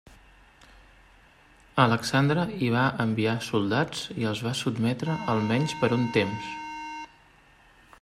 Alexandre hi va enviar soldats i els va sotmetre almenys per un temps.